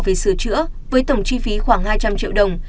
về sửa chữa với tổng chi phí khoảng hai trăm linh triệu đồng